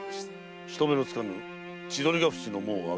人目のつかぬ千鳥ヶ淵の門を開けてある。